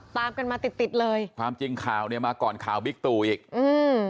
ตามกันมาติดติดเลยความจริงข่าวเนี้ยมาก่อนข่าวบิ๊กตู่อีกอืม